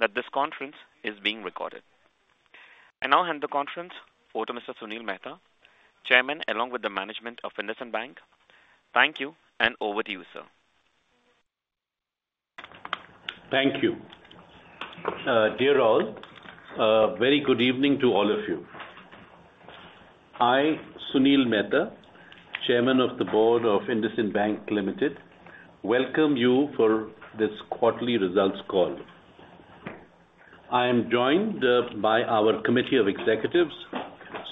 This conference is being recorded. I now hand the conference over to Mr. Sunil Mehta, Chairman along with the management of IndusInd Bank. Thank you. Over to you, sir. Thank you, dear all. Very good evening to all of you. I, Sunil Mehta, Chairman of the Board of IndusInd Bank Limited, welcome you for this quarterly results call. I am joined by our Committee of Executives,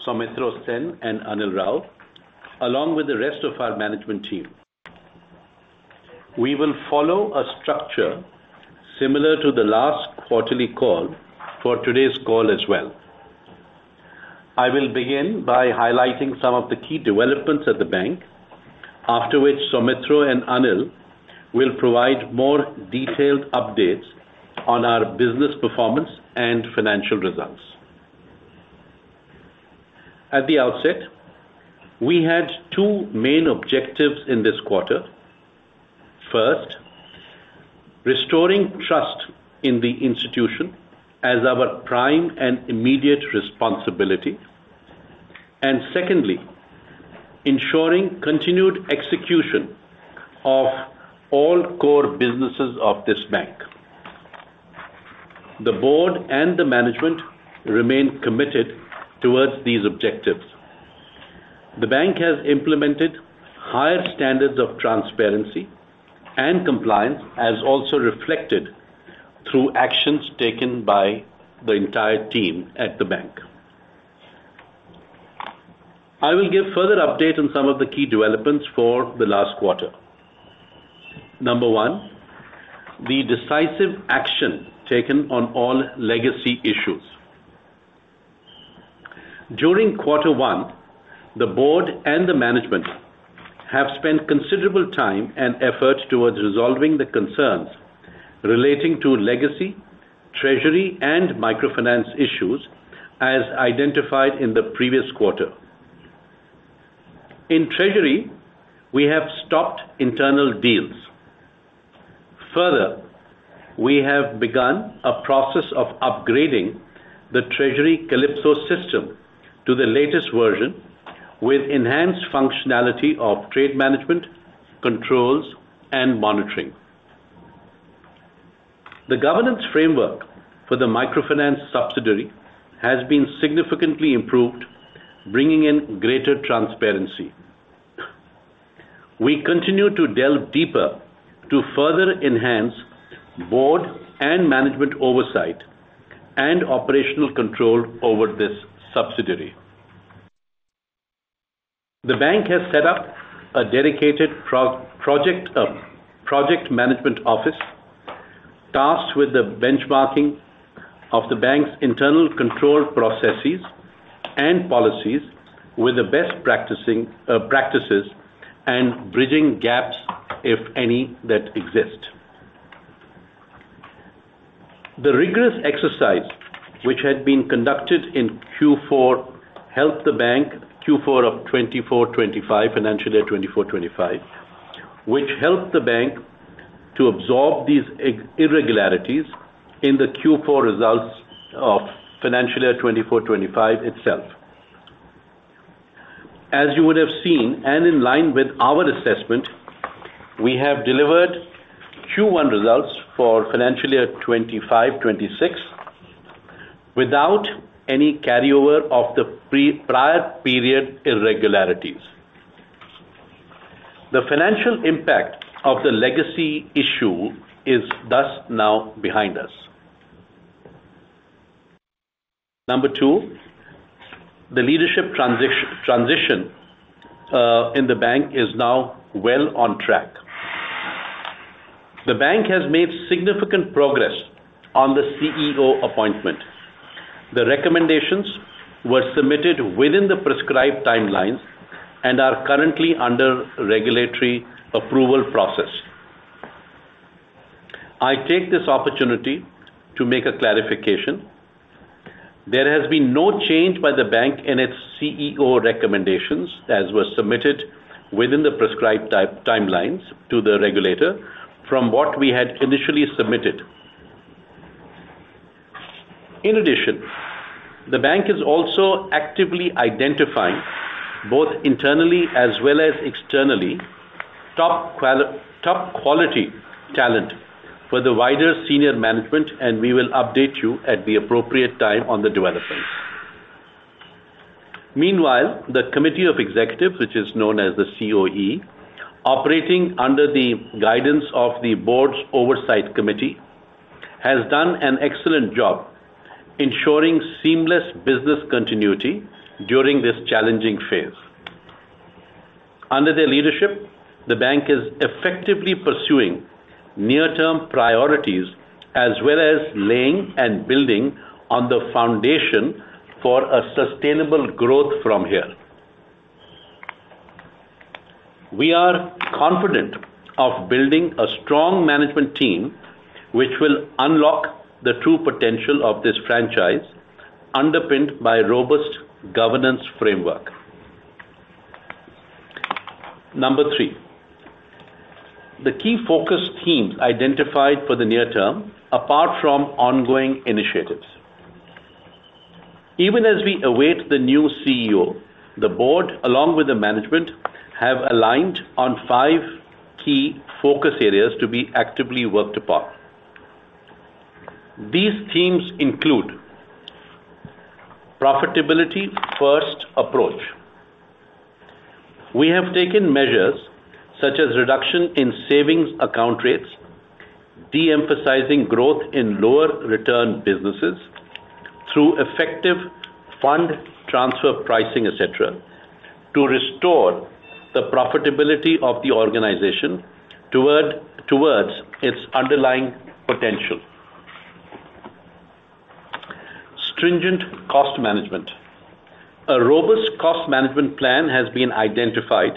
Soumitra Sen and Anil Rao, along with the rest of our management team. We will follow a structure similar to the last quarterly call for today's call as well. I will begin by highlighting some of the key developments at the bank, after which Soumitra and Anil will provide more detailed updates on our business performance and financial results. At the outset, we had two main objectives in this quarter. First, restoring trust in the institution as our prime and immediate responsibility, and secondly, ensuring continued execution of all core businesses of this bank. The Board and the Management remain committed towards these objectives. The bank has implemented higher standards of transparency and compliance, as also reflected through actions taken by the entire team at the bank. I will give further update on some of the key developments for the last quarter. Number one, the decisive action taken on all legacy issues. During quarter one, the Board and the Management have spent considerable time and effort towards resolving the concerns relating to legacy, treasury, and microfinance issues as identified in the previous quarter. In treasury, we have stopped internal deals. Further, we have begun a process of upgrading the Treasury Calypso system to the latest version with enhanced functionality of trade management controls and monitoring. The governance framework for the microfinance subsidiary has been significantly improved, bringing in greater transparency. We continue to delve deeper to further enhance board and management oversight and operational control over this subsidiary. The bank has set up a dedicated Project Management Office tasked with the benchmarking of the bank's internal control processes and policies with the best practices and bridging gaps, if any, that exist. The rigorous exercise which had been conducted in Q4 helped the bank, Q4 of 2024-2025 financial year, which helped the bank to absorb these irregularities in the Q4 results of financial year 2024-2025 itself. As you would have seen and in line with our assessment, we have delivered Q1 results for financial year 2025-2026 without any carryover of the prior period irregularities. The financial impact of the legacy issue is thus now behind us. Number two, the leadership transition in the bank is now well on track. The bank has made significant progress on the CEO appointment. The recommendations were submitted within the prescribed timelines and are currently under regulatory approval process. I take this opportunity to make a clarification. There has been no change by the bank in its CEO recommendations as were submitted within the prescribed timelines to the regulator from what we had initially submitted. In addition, the bank is also actively identifying both internally as well as externally, top-quality talent for the wider senior management and we will update you at the appropriate time on the developments. Meanwhile, the Committee of Executives, which is known as the CoE, operating under the guidance of the Board's Oversight Committee, has done an excellent job ensuring seamless business continuity during this challenging phase. Under their leadership, the bank is effectively pursuing near-term priorities as well as laying and building on the foundation for a sustainable growth. From here. We are confident of building a strong management team which will unlock the true potential of this franchise underpinned by robust governance framework. Number three, the key focus themes identified for the near term. Apart from ongoing initiatives, even as we await the new CEO, the Board along with the management have aligned on five key focus areas to be actively worked upon. These themes include Profitability First Approach. We have taken measures such as reduction in savings account rates, deemphasizing growth in lower return businesses through effective fund transfer, pricing, etc. to restore the profitability of the organization towards its underlying potential. Stringent Cost Management. A robust cost management plan has been identified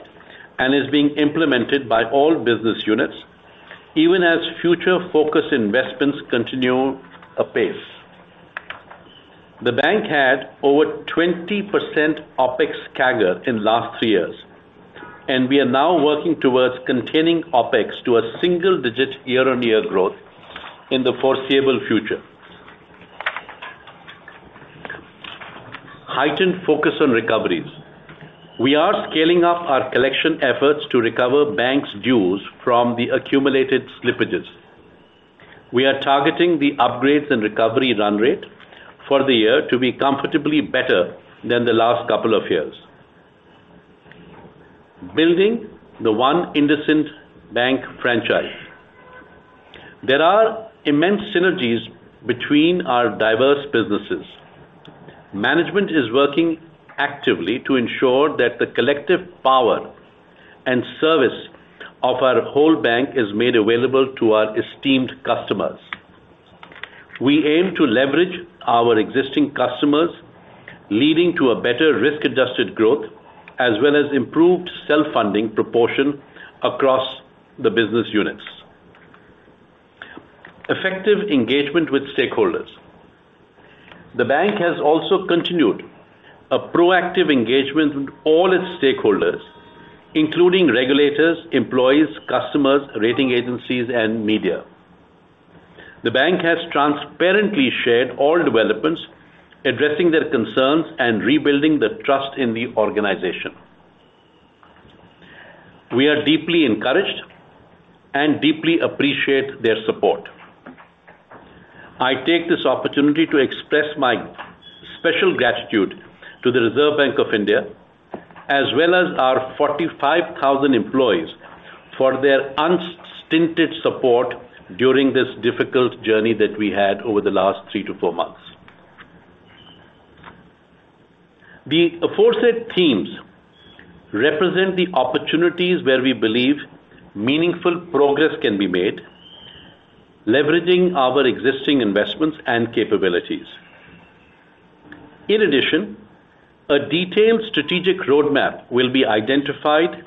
and is being implemented by all business units even as future-focused investments continue apace. The bank had over 20% OpEx CAGR in last three years and we are now working towards containing OpEx to a single-digit year-on-year growth in the foreseeable future. Heightened focus on Recoveries. We are scaling up our collection efforts to recover bank's dues from the accumulated slippages. We are targeting the upgrades and recovery run rate for the year to be comfortably better than the last couple of years. Building the one IndusInd Bank Franchise. There are immense synergies between our diverse businesses. Management is working actively to ensure that the collective power and service of our whole bank is made available to our esteemed customers. We aim to leverage our existing customers, leading to a better risk-adjusted growth as well as improved self-funding proportion across the business units. Effective engagement with stakeholders, the bank has also continued a proactive engagement with all its stakeholders including regulators, employees, customers, rating agencies, and media. The bank has transparently shared all developments, addressing their concerns and rebuilding the trust in the organization. We are deeply encouraged and deeply appreciate their support. I take this opportunity to express my special gratitude to the Reserve Bank of India as well as our 45,000 employees for their unstinted support during this difficult journey that we had over the last three to four months. The aforesaid themes represent the opportunities where we believe meaningful progress can be made, leveraging our existing investments and capabilities. In addition, a detailed strategic roadmap will be identified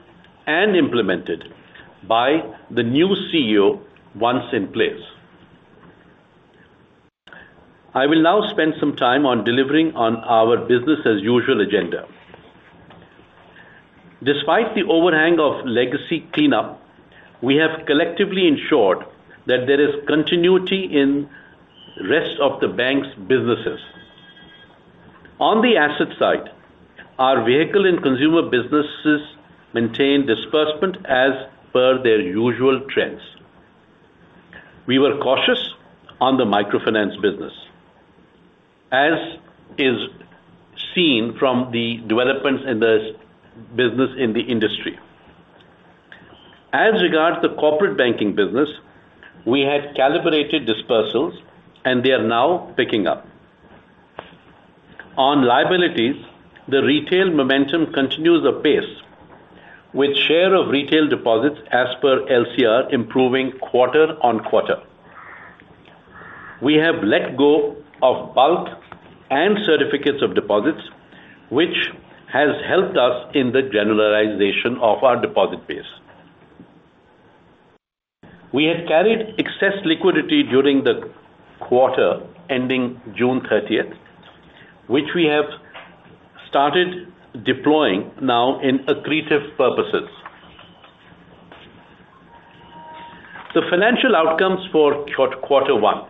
and implemented by the new CEO once in place. I will now spend some time on delivering on our business-as-usual agenda. Despite the overhang of legacy cleanup, we have collectively ensured that there is continuity in the rest of the bank's businesses. On the asset side, our vehicle and consumer businesses maintain disbursement as per their usual trends. We were cautious on the microfinance business, as is seen from the developments in this business in the industry. As regards the corporate banking business, we had calibrated dispersals, and they are now picking up. On liabilities, the retail momentum continues apace with share of retail deposits as per LCR improving quarter-on-quarter. We have let go of bulk and certificates of deposits, which has helped us in the generalization of our deposit base. We have carried excess liquidity during the quarter ending June 30th, which we have started deploying now in accretive purposes. The financial outcomes for quarter one: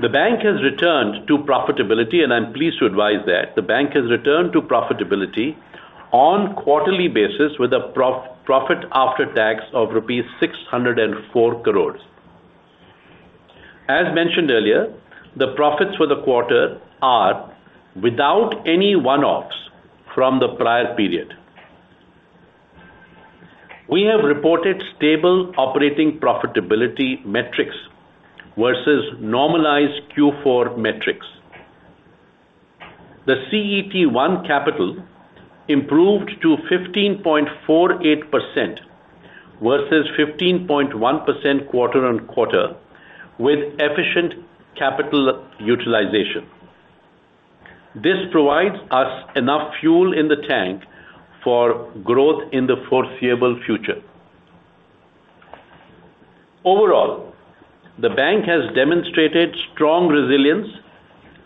the bank has returned to profitability, and I'm pleased to advise that the bank has returned to profitability on a quarterly basis with a profit after tax of rupees 604 crore. As mentioned earlier, the profits for the quarter are without any one-offs from the prior period. We have reported stable operating profitability metrics versus normalized Q4 metrics. The CET1 capital improved to 15.48% versus 15.1% quarter-on-quarter with efficient capital utilization. This provides us enough fuel in the tank for growth in the foreseeable future. Overall, the bank has demonstrated strong resilience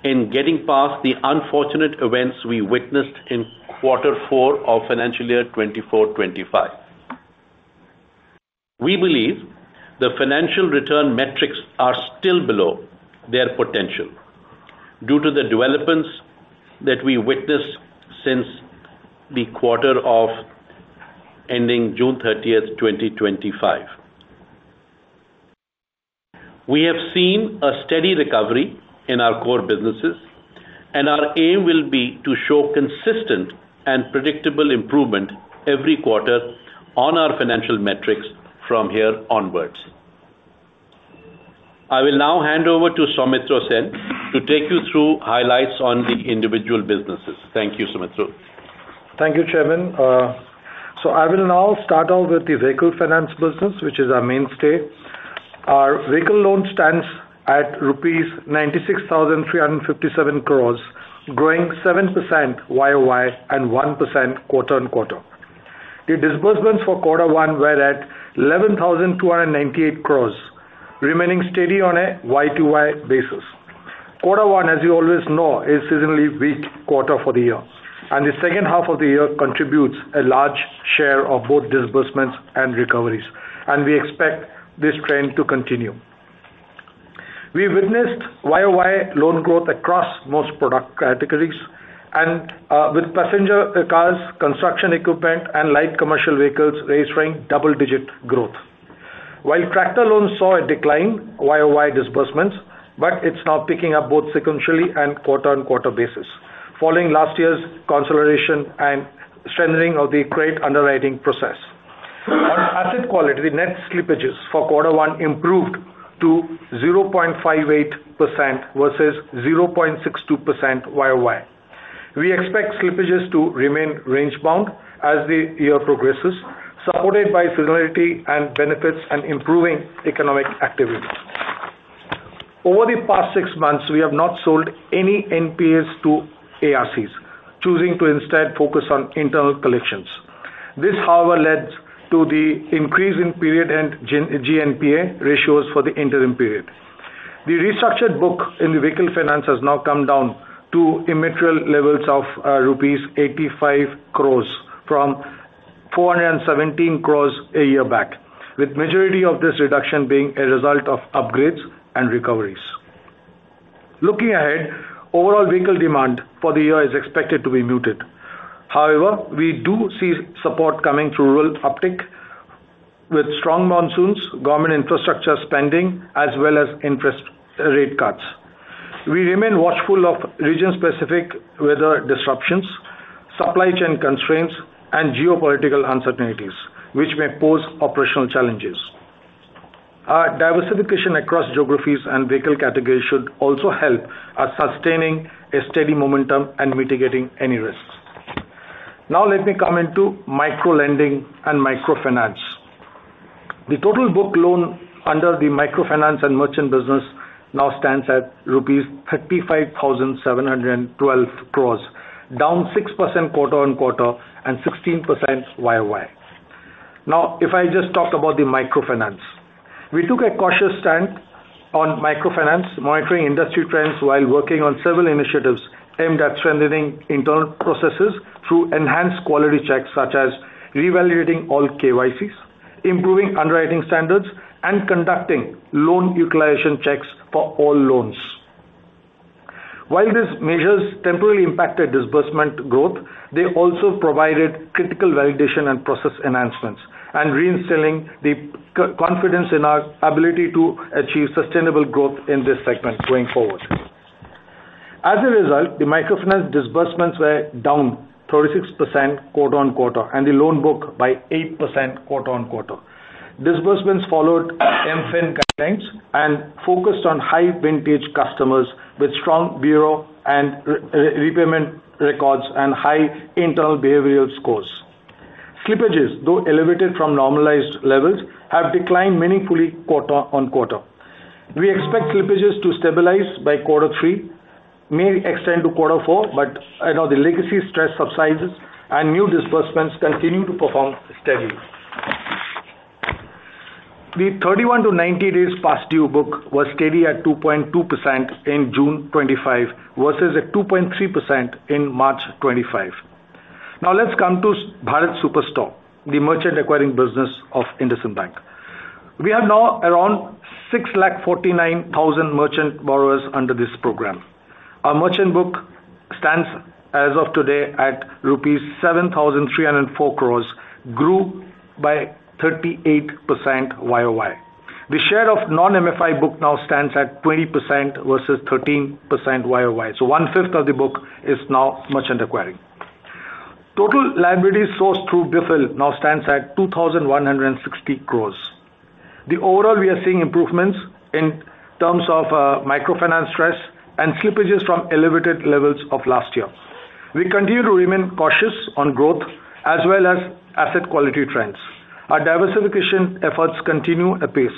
in getting past the unfortunate events we witnessed in quarter four of financial year 2024-2025. We believe the financial return metrics are still below their potential due to the developments that we witness since the quarter ending June 30th, 2025. We have seen a steady recovery in our core businesses and our aim will be to show consistent and predictable improvement every quarter on our financial metrics from here onwards. I will now hand over to Soumitra Sen to take you through highlights on the individual businesses. Thank you, Soumitra. Thank you, Chairman. I will now start off with. The vehicle finance business, which is our mainstay. Our vehicle loan stands at rupees 96,357 crore, growing 7% YoY and 1% quarter-on-quarter. The disbursements for quarter one were at 11,298 crore, remaining steady on a YoY basis. Quarter one, as you always know, is a seasonally weak quarter for the year, and the second half of the year contributes a large share of both disbursements and recoveries. We expect this trend to continue. We witnessed YoY loan growth across most product categories, with passenger cars, construction equipment, and light commercial vehicles registering double-digit growth, while tractor loans saw a decline in YoY disbursements, but it's now picking up both sequentially and on a quarter-on-quarter basis. Following last year's consolidation and strengthening of the credit underwriting process on asset quality, the net slippages for quarter one improved to 0.58% versus 0.62% YoY. We expect slippages to remain range-bound as the year progresses, supported by seasonality and benefits and improving economic activity. Over the past six months, we have not sold any NPAs to ARCs, choosing to instead focus on internal collections. This, however, led to the increase in period-end GNPA ratios for the interim period. The restructured book in the vehicle finance has now come down to immaterial levels of rupees 85 crore from 417 crore a year back, with the majority of this reduction being a result of upgrades and recoveries. Looking ahead, overall vehicle demand for the year is expected to be muted. However, we do see support coming through rural uptick with strong monsoons, government infrastructure spending, as well as interest rate cuts. We remain watchful of region-specific weather disruptions, supply chain constraints, and geopolitical uncertainties, which may pose operational challenges. Diversification across geographies and vehicle categories should also help in sustaining a steady momentum and mitigating any risks. Now, let me come into micro lending and microfinance. The total book loan under the microfinance and merchant business now stands at rupees 35,712 crore, down 6% quarter-on-quarter and 16% YoY. Now, if I just talk about the microfinance, we took a cautious stance on microfinance, monitoring industry trends while working on several initiatives aimed at strengthening internal processes through enhanced quality checks such as revalidating all KYCs, improving underwriting standards, and conducting loan utilization checks for all loans. While these measures temporarily impacted disbursement growth, they also provided critical validation and process enhancements and reinstalled the confidence in our ability to achieve sustainable growth in this segment going forward. As a result, the microfinance disbursements were down 36% quarter-on-quarter and the loan book by 8% quarter-on-quarter. Disbursements followed MFIN compliance and focused on high vintage customers with strong bureau and repayment records and high internal behavioral scores. Slippages, though elevated from normalized levels, have declined meaningfully quarter-on-quarter. We expect slippages to stabilize by quarter three, may extend to quarter four, but the legacy stress subsides, and new disbursements continue to perform steadily. The 31 90 days past due book was steady at 2.2% in June 2025 versus 2.3% in March 2025. Now let's come to Bharat Superstore, the merchant-acquiring business of IndusInd Bank. We have now around 649,000 merchant borrowers under this program. Our merchant book stands as of today at rupees 7,304 crore, grew by 38% YoY. The share of non-MFI book now stands at 20% versus 13% YoY. so, one-fifth of the book is now merchant acquiring. Total liabilities sourced through BFL now stand at 2,160 crore. Overall, we are seeing improvements in terms of microfinance stress and slippages from elevated levels of last year. We continue to remain cautious on growth as well as asset quality trends. Our diversification efforts continue apace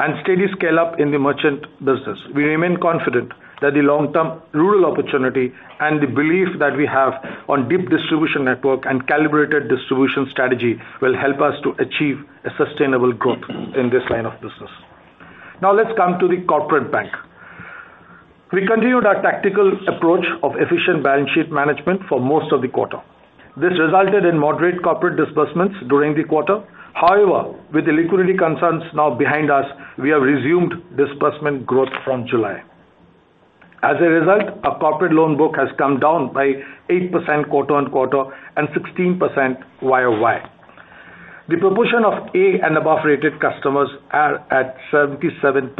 and steady scale up in the merchant business. We remain confident that the long-term rural opportunity and the belief that we have on deep distribution network and calibrated distribution strategy will help us to achieve a sustainable growth in this line of business. Now, let's come to the corporate bank. We continued our tactical approach of efficient balance sheet management for most of the quarter. This resulted in moderate corporate disbursements during the quarter. However, with the liquidity concerns now behind us, we have resumed disbursement growth from July. As a result, our corporate loan book has come down by 8% quarter-on-quarter and 16% YoY. The proportion of A and above rated customers are at 77%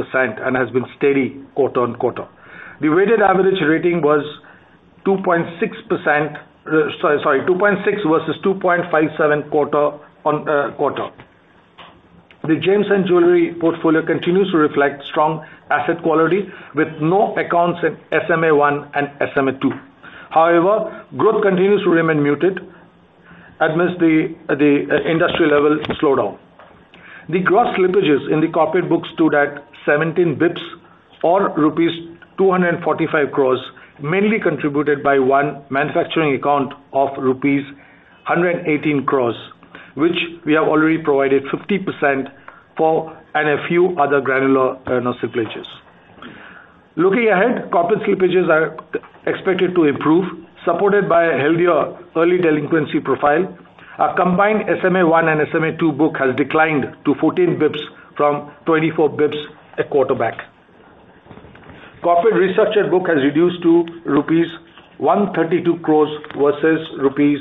and has been steady quarter-on-quarter. The weighted average rating was 2.6 versus 2.57 quarter-on-quarter. The Gems and Jewelry portfolio continues to reflect strong asset quality with no accounts in SMA1 and SMA2. However, growth continues to remain muted amidst the industry-level slowdown. The gross slippages in the corporate book stood at 17 bps or rupees 245 crore, mainly contributed by one manufacturing account of rupees 118 crore, which we have already provided 50% for, and a few other granular slippages. Looking ahead, corporate slippages are expected to improve, supported by a healthier early delinquency profile. Our combined SMA1 and SMA2 book has declined to 14 bps from 24 bps. A quarterback corporate researcher book has reduced to rupees 132 crore versus rupees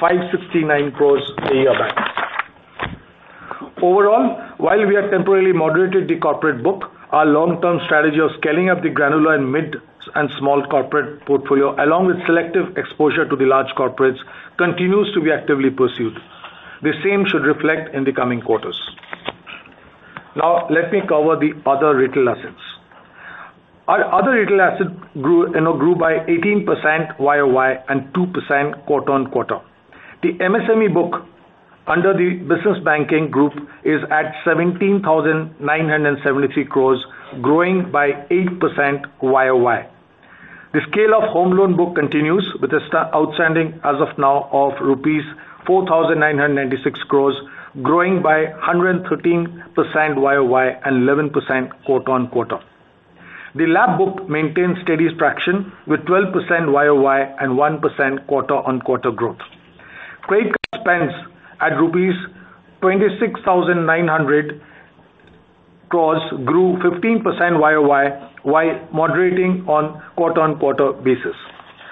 569 crore a year back. Overall, while we have temporarily moderated the corporate book, our long-term strategy of scaling up the granular and mid and small corporate portfolio, along with selective exposure to the large corporates continues to be actively pursued. The same should reflect in the coming quarters. Now, let me cover the other retail assets. Our other retail assets grew by 18% YoY and 2% quarter-on-quarter. The MSME book under the Business Banking group is at 17,973 crore, growing by 8% YoY. The scale of home loan book continues with outstanding as of now of rupees 4,996 crore, growing by 113% and 11% quarter-on-quarter. The LAP book maintained steady traction with 12% YoY and 1% quarter-on-quarter growth. Credit card spends at rupees 26,900 crore grew 15% YoY while moderating on a quarter-on-quarter basis.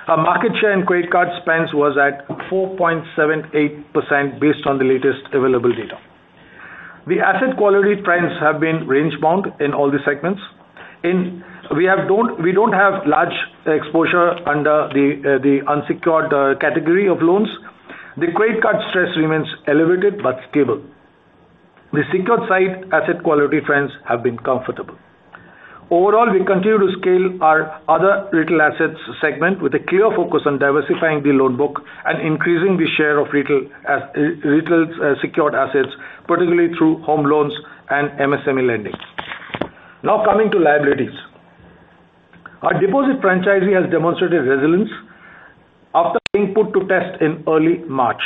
Our market share in credit card spends was at 4.78% based on the latest available data. The asset quality trends have been range-bound in all the segments. We don't have large exposure under the unsecured category of loans. The credit card stress remains elevated but stable. The secured side asset quality trends have been comfortable. Overall, we continue to scale our other retail assets segment with a clear focus on diversifying the loan book and increasing the share of retail secured assets, particularly through home loans and MSME lending. Now coming to liabilities, our deposit franchise has demonstrated resilience after being put to test in early March.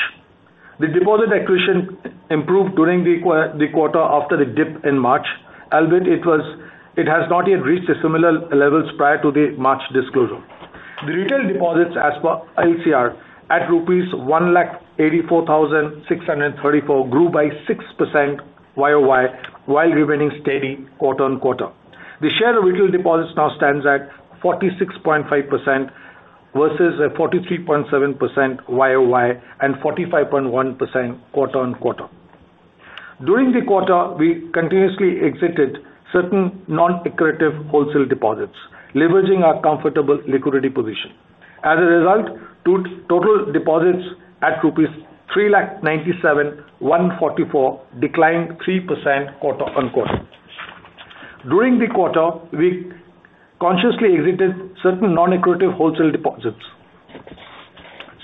The deposit accretion improved during the quarter after the dip in March, albeit it has not yet reached similar levels. Prior to the March disclosure, the retail deposits as per LCR at rupees 1,84,634 crore grew by 6% YoY while remaining steady quarter-on-quarter. The share of retail deposits now stands at 46.5% versus 43.7% YoY and 45.1% quarter-on-quarter. During the quarter, we continuously exited certain non-accretive wholesale deposits leveraging our comfortable liquidity position. As a result, total deposits at rupees 397,144 crore declined 3% quarter-on-quarter. During the quarter, we consciously exited certain non-accretive wholesale deposits.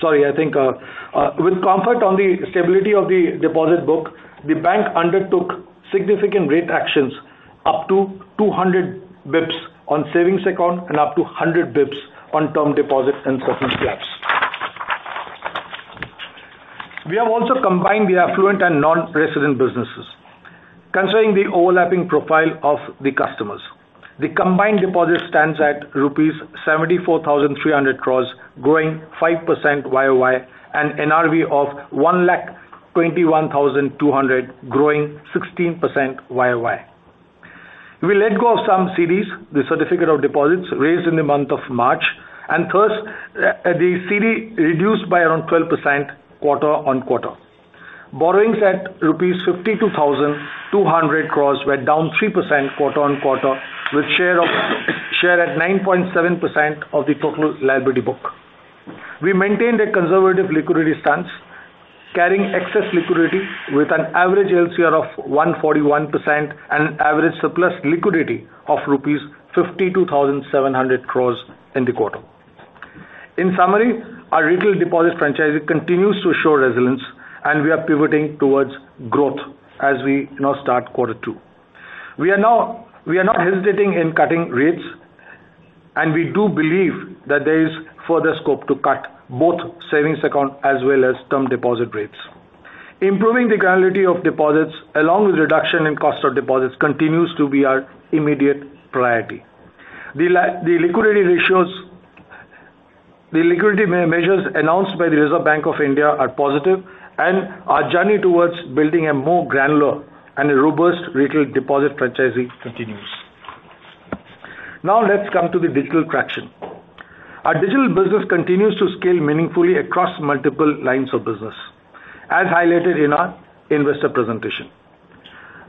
With comfort on the stability of the deposit book, the bank undertook significant rate actions up to 200 bps on savings account and up to 100 bps on term deposit and second caps. We have also combined the affluent and non-resident businesses considering the overlapping profile of the customers. The combined deposit stands at rupees 74,300 crore, growing 5% YoY, and NRI of 121,200 crore, growing 16% YoY. We let go of some CDs, the certificate of deposits raised in the month of March, and thus the CD reduced by around 12% quarter-on-quarter. Borrowings at rupees 52,200 crore were down 3% quarter-on-quarter with share at 9.7% of the total liability book. We maintained a conservative liquidity stance, carrying excess liquidity with an average LCR of 141% and average surplus liquidity of rupees 52,700 crore in the quarter. In summary, our retail deposit franchise continues to show resilience, and we are pivoting towards growth as we now start quarter two. We are not hesitating in cutting rates, and we do believe that there is further scope to cut both savings account as well as term deposit rates. Improving the granularity of deposits along with reduction in cost of deposits continues to be our immediate priority. The liquidity ratios, the liquidity measures announced by the Reserve Bank of India, are positive and our journey towards building a more granular and a robust retail deposit franchise continues. Now let's come to the digital traction. Our digital business continues to scale meaningfully across multiple lines of business as highlighted in our investor presentation.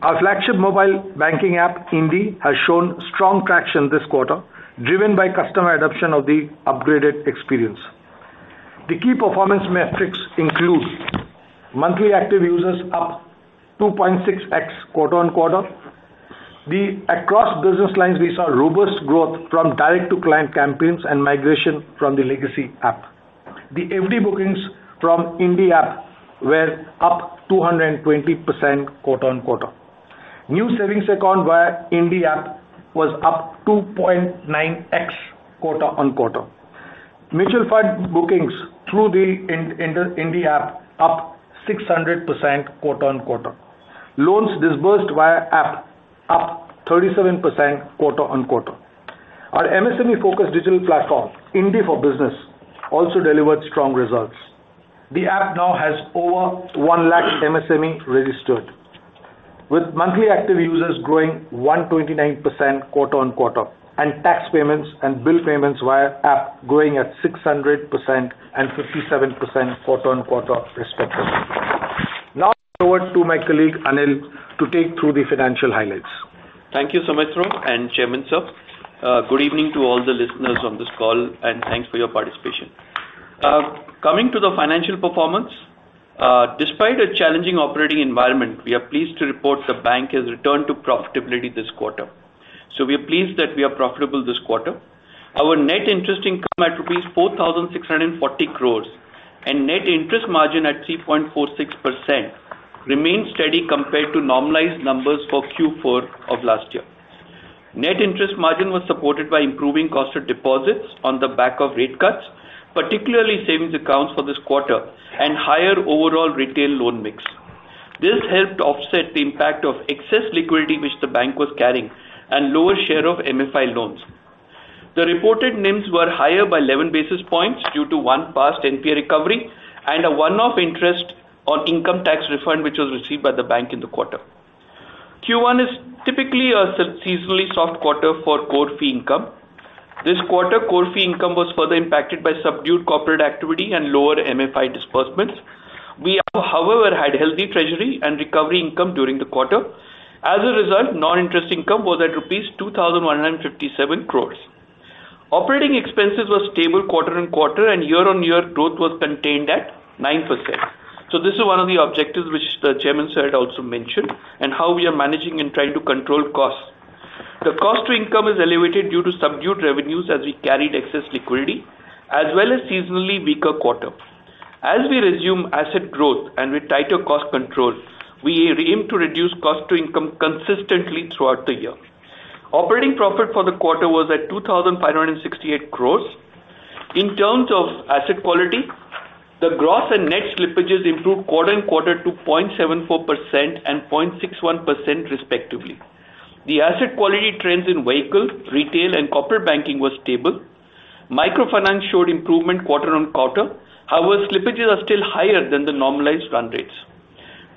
Our flagship mobile banking app INDIE has shown strong traction this quarter driven by customer adoption of the upgraded experience. The key performance metrics include monthly active users up 2.6 x quarter-on-quarter. Across business lines, we saw robust growth from direct to client campaigns and migration from the legacy app. The FD bookings from INDIE app were up 220% quarter-on-quarter. New savings account via INDIE app was up 2.9 x quarter-on-quarter. Mutual fund bookings through the INDIE app up 600% quarter-on-quarter, loans disbursed via app up 37% quarter-on-quarter. Our MSME focused digital platform INDIE for Business also delivered strong results. The app now has over 1 lakh MSME registered, with monthly active users growing 129% quarter-on-quarter, and tax payments and bill payments via app growing at 600% and 57% quarter-on-quarter, respectively. Now over to my colleague Anil to take through the financial highlights. Thank you Soumitra and Chairman Sir, good evening to all the listeners on this call and thanks for your participation. Coming to the financial performance, despite a challenging operating environment, we are pleased to report the bank has returned to profitability this quarter. We are pleased that we are profitable this quarter. Our net interest income at rupees 4,640 crore and net interest margin at 3.46% remained steady compared to normalized numbers for Q4 of last year. Net interest margin was supported by improving cost of deposits on the back of rate cuts, particularly savings accounts for this quarter, and higher overall retail loan mix. This helped offset the impact of excess liquidity which the bank was carrying and lower share of MFI loans. The reported NIMs were higher by 11 basis points due to one past NPA recovery and a one-off interest on income tax refund, which was received by the bank in the quarter. Q1 is typically a seasonally soft quarter for core fee income. This quarter, core fee income was further impacted by subdued corporate activity and lower MFI disbursements. We, however, had healthy treasury and recovery income during the quarter. As a result, non-interest income was at INR 2,157 crore. Operating expenses were stable quarter-on-quarter, and year-on-year growth was contained at 9%. This is one of the objectives which the Chairman Sir had also mentioned and how we are managing and trying to control costs. The cost-to-income is elevated due to subdued revenues as we carried excess liquidity as well as seasonally-weaker quarter. As we resume asset growth and with tighter cost control, we aim to reduce cost-to -ncome consistently throughout the year. Operating profit for the quarter was at 2,568 crore. In terms of asset quality, the gross and net slippages improved quarter-on-quarter to 0.74% and 0.61% respectively. The asset quality trends in vehicle, retail and corporate banking were stable. Microfinance showed improvement quarter-on-quarter. However, slippages are still higher than the normalized run rates.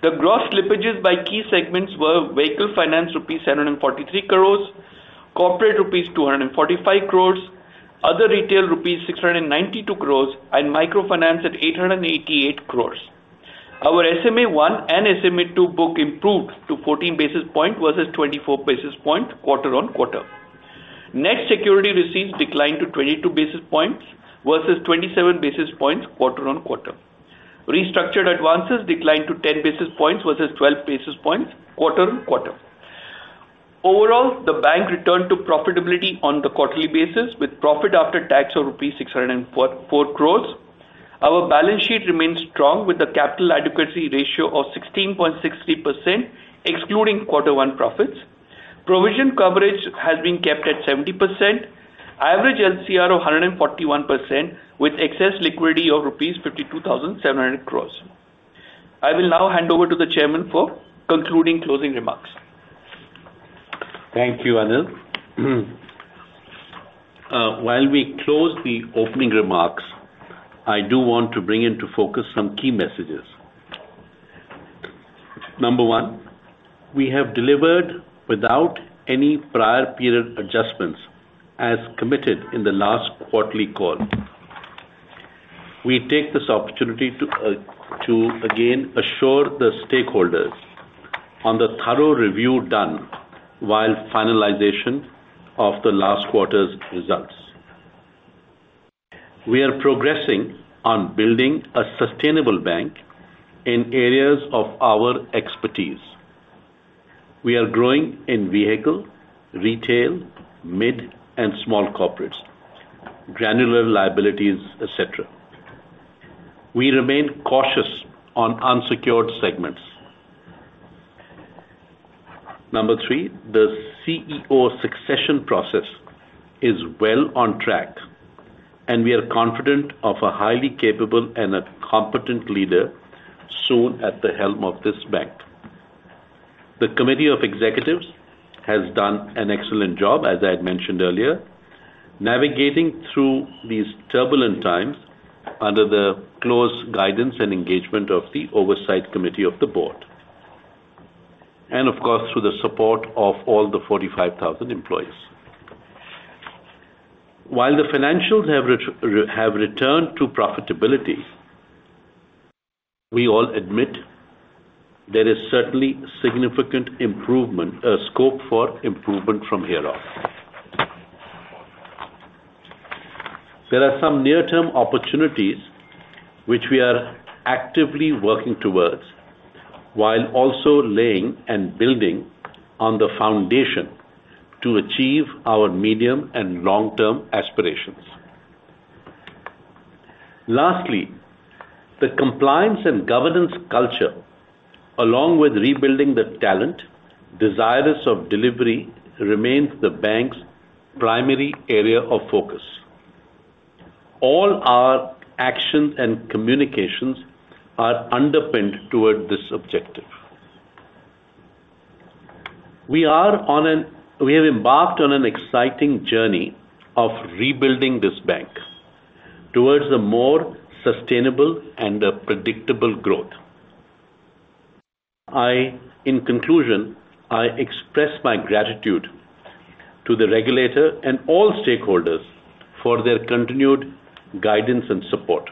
The gross slippages by key segments were vehicle finance rupees 743 crore, corporate rupees 245 crore, other retail rupees 692 crore, and microfinance at 888 crore. Our SMA1 and SMA2 book improved to 14 basis points versus 24 basis points quarter-on-quarter. Net security receipts declined to 22 basis points versus 27 basis points. uarter-on-quarter, restructured advances declined to 10 basis points versus 12 basis points quarter-on-quarter. Overall, the bank returned to profitability on a quarterly basis with profit after tax of rupees 604 crore. Our balance sheet remains strong with a capital adequacy ratio of 16.63% excluding Q1 profits. Provision coverage has been kept at 70%. Average LCR of 141% with excess liquidity of rupees 52,700 crore. I will now hand over to the Chairman for concluding closing remarks. Thank you, Anil. While we close the opening remarks, I do want to bring into focus some key messages. Number one, we have delivered without any prior period adjustments as committed in the last quarterly call. We take this opportunity to again assure the stakeholders on the thorough review done while finalization of the last quarter's results. We are progressing on building a sustainable bank in areas of our expertise. We are growing in vehicle, retail, mid and small corporates, granular liabilities, etc. We remain cautious on unsecured segments. Number three, the CEO succession process is well on track, and we are confident of a highly capable and a competent leader soon at the helm of this bank. The Committee of Executives has done an excellent job as I had mentioned earlier, navigating through these turbulent times under the close guidance and engagement of the Oversight Committee of the Board, and of course through the support of all the 45,000 employees. While the financials have returned to profitability, we all admit there is certainly significant improvement, scope for improvement from here on. There are some near term opportunities which we are actively working towards while also laying and building on the foundation to achieve our medium and long-term aspirations. Lastly, the compliance and governance culture along with rebuilding the talent desirous of delivery remains the bank's primary area of focus. All our actions and communications are underpinned toward this objective. We are on. We have embarked on an exciting journey of rebuilding this bank towards a more sustainable and predictable growth. In conclusion, I express my gratitude to the regulator and all stakeholders for their continued guidance and support.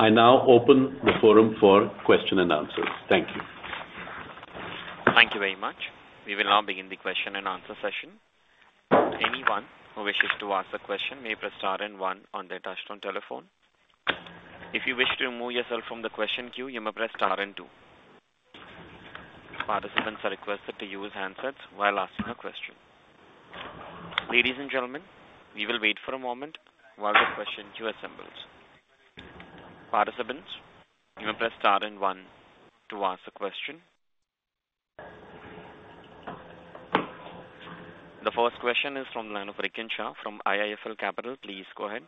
I now open the forum for question-and-answers. Thank you. Thank you very much. We will now begin the question-and-answer session. Anyone who wishes to ask the question may press star and one on their touch-tone telephone. If you wish to remove yourself from. The question queue, you may press star and two. Participants are requested to use handsets while asking a question. Ladies and gentlemen, we will wait for a moment while the question queue assembles participants. You may press star and one to ask a question. The first question is from the line of Rikin Shah from IIFL Capital. Please go ahead.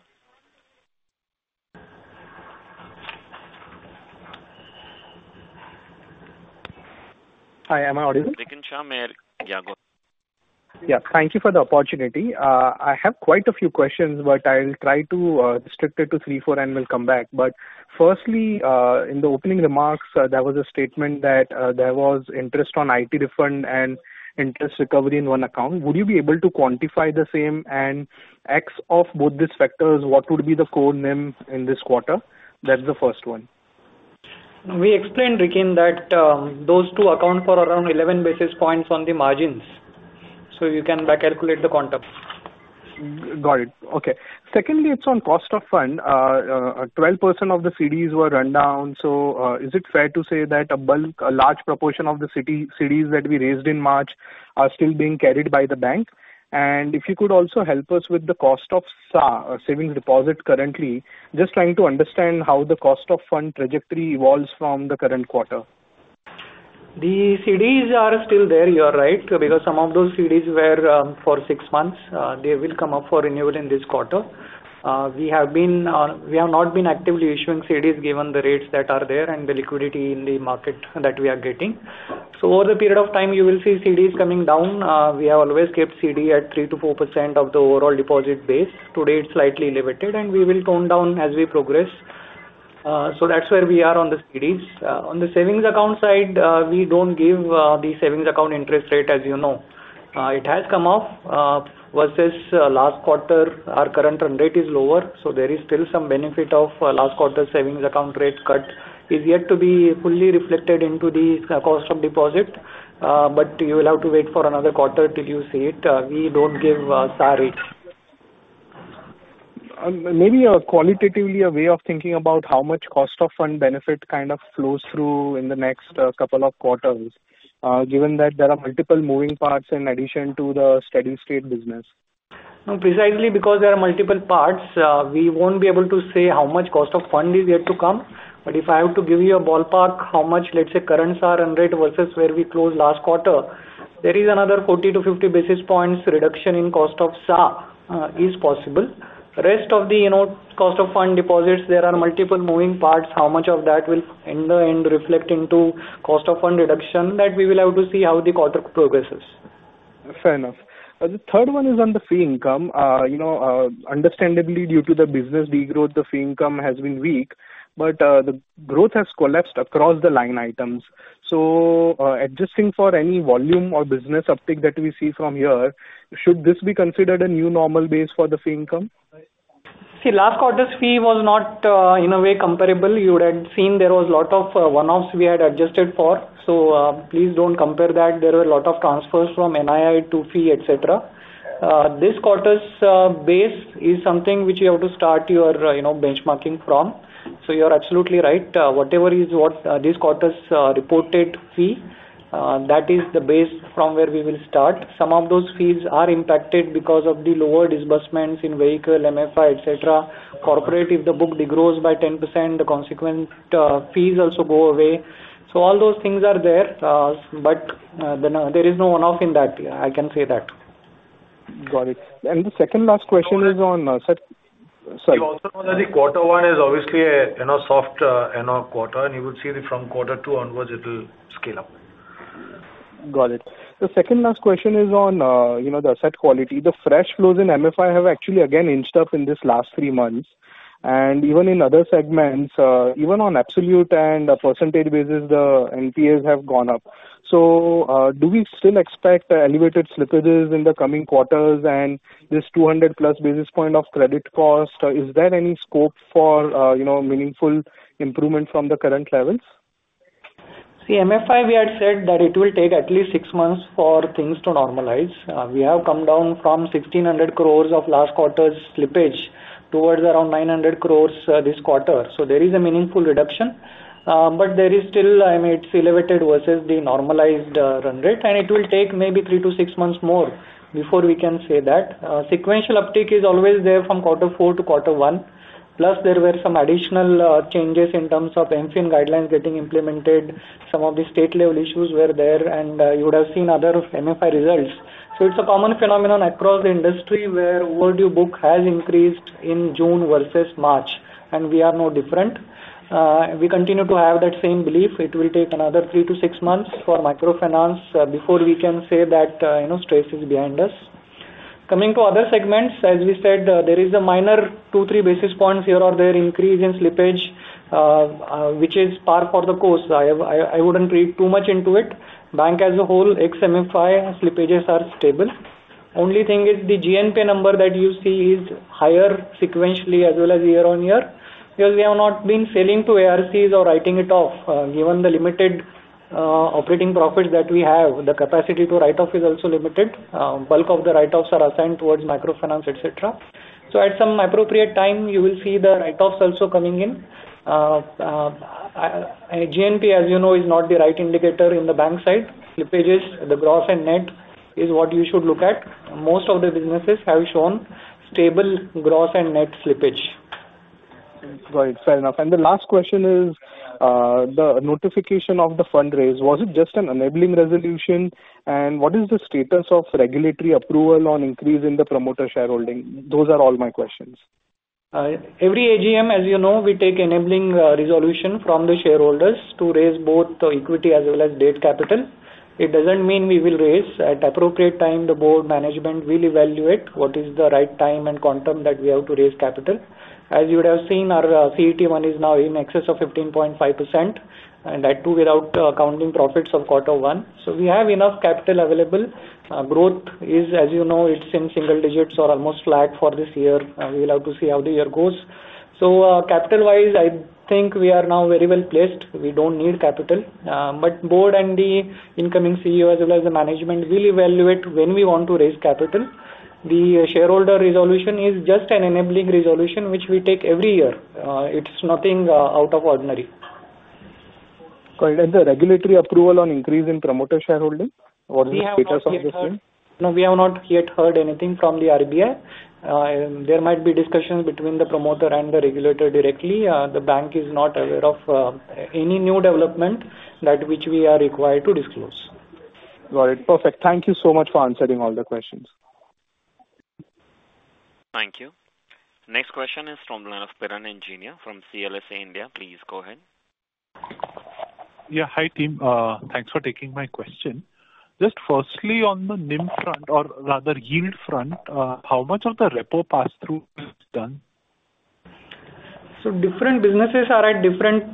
Hi, am I audible? [cosstalk] Rikin Shah, yeah, go ahead. Yeah. Thank you for the opportunity. I have quite a few questions, but I'll try to restrict it to three. Four, and we'll come back. Firstly, in the opening remarks there was a statement that there was interest on IT refund and interest recovery in one account. Would you be able to quantify the same and X of both these factors? What would be the code name in this quarter? That's the first one. We explained, Rikin, that those two account for around 11 basis points on the margins. You can calculate the quantum. Got it. Okay. Secondly, it's on cost of fund. Twelve % of the CDs were run down. Is it fair to say that a bulk, a large proportion of the CDs that we raised in March are still being carried by the bank? If you could also help us with the cost of savings deposit currently, just trying to understand how the cost of fund trajectory evolves from the current quarter. The CDs are still there. You are right because some of those CDs were for six months. They will come up for renewal in this quarter. We have not been actively issuing CDs given the rates that are there and the liquidity in the market that we are getting. Over the period of time you will see CDs coming down. We have always kept CD at 3%-4% of the overall deposit base. Today it's slightly limited and we will tone down as we progress. That's where we are on the CDs. On the savings account side, we don't give the savings account interest rate as you know, it has come off versus last quarter. Our current run rate is lower. There is still some benefit of last quarter savings account rate cut that is yet to be fully reflected into the cost of deposit. You will have to wait for another quarter till you see it. We don't give Saree. Maybe qualitatively a way of thinking about how much cost of fund benefit kind of flows through in the next couple of quarters, given that there are multiple moving parts in addition to the steady state business? Precisely because there are multiple parts, we won't be able to say how much cost of fund is yet to come. If I have to give you a ballpark, how much, let's say, currents are unread versus where we closed last quarter, there is another 40-50 basis points. Reduction in cost of SA is possible. Rest of the cost of fund deposits, there are multiple moving parts. How much of that will reflect into cost of fund reduction, that we will have to see how the quarter progresses. Fair enough. The third one is on the fee income. You know, understandably due to the business degrowth, the fee income has been weak, but the growth has collapsed across the line items. Adjusting for any volume or business uptake that we see from here, should this be considered a new normal base? For the fee income? Last quarter's fee was not in a way comparable you had seen. There were a lot of one offs we had adjusted for. Please don't compare that. There were a lot of transfers from NII to fee, etc. This quarter's base is something which you have to start your benchmarking from. You're absolutely right. Whatever is what this quarter's report, that is the base from where we will start. Some of those fees are impacted because of the lower disbursements in vehicle, microfinance, etc. corporate, if the book degrows by 10%, the consequent fees also go away. All those things are there, but there is no one off in that, I can say that. Got it. The second last question is on. The quarter one is obviously a soft quarter, and you would see from quarter two onwards it will scale up. Got it. The second last question is on the asset quality. The fresh flows in MFI have actually again inched up in this last three months, and even in other segments, even on absolute and percentage basis, the NPAs have gone up. Do we still expect elevated slippages in the coming quarters? This 200+ basis point of credit cost, is there any scope for meaningful improvement from the current levels? See, microfinance, we had said that it will take at least six months for things to normalize. We have come down from 1,600 crore of last quarter's slippage towards around 900 crore this quarter. There is a meaningful reduction, but it is still, I mean, it's elevated versus the normalized run rate and it will take maybe three-six months more before we can say that. Sequential uptick is always there from quarter four to quarter one. Plus, there were some additional changes in terms of microfinance guidelines getting implemented. Some of the state-level issues were there and you would have seen other microfinance results. It is a common phenomenon across the industry where overdue book has increased in June versus March and we are no different. We continue to have that same belief. It will take another three-six months for microfinance before we can say that, you know, stress is behind us. Coming to other segments, as we said, there is a minor 2-3 basis points here or there increase in slippage, which is par for the course. I wouldn't read too much into it. Bank as a whole, excluding microfinance, slippages are stable. Only thing is the GNPA number that you see is higher sequentially as well as year-on-year because we have not been selling to ARCs or writing it off. Given the limited operating profits that we have, the capacity to write off is also limited. Bulk of the write-offs are assigned towards microfinance, etc. At some appropriate time you will see the write-offs also coming in. GNPA, as you know, is not the right indicator in the bank side slippages. The gross and net is what you should look at. Most of the businesses have shown stable gross and net. Fair enough. The last question is the notification of the fundraise. Was it just an enabling resolution, and what is the status of regulatory approval on increase in the promoter shareholding? Those are all my questions. Every AGM, as you know, we take enabling resolution from the shareholders to raise both equity as well as debt capital. It doesn't mean we will raise at appropriate time. The Board, management will evaluate what is the right time and quantum that we have to raise capital. As you would have seen, our CET1 is now in excess of 15.5% and that too without counting profits of quarter one. We have enough capital available. Growth is, as you know, it's in single digits or almost flat for this year. We will have to see how the year goes. Capital wise, I think we are now very well placed. We don't need capital, but Board and the incoming CEO as well as the management will evaluate when we want to raise capital. The shareholder resolution is just an enabling resolution which we take every year. It's nothing out of ordinary. The regulatory approval on increase in promoter shareholding. No, we have not yet heard anything from the RBI. There might be discussions between the promoter and the regulator directly. The bank is not aware of anytill expect elevated slippages in the coming quarters? This 200+ [business point of credit cost] new development that we are required to disclose. Got it. Perfect. Thank you so much for answering all the questions. Thank you. Next question is from the line of Piran Engineer from CLSA India. Please go ahead. Hi team, thanks for taking my question. Just firstly on the NIM front. Rather, yield front, how much of the repo pass through? Done. Different businesses are at different